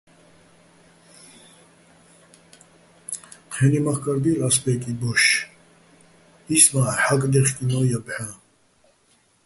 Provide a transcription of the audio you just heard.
ჴე́ნი მახკარ დი́ლ ას ბე́კი ბოშ, ის მა́ ჰ̦აკდე́ხკინო̆ ჲა ბჵა́.